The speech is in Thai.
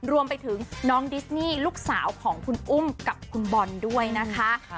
รวมไปถึงน้องดิสนี่ลูกสาวของคุณอุ้มกับคุณบอลด้วยนะคะ